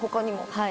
はい。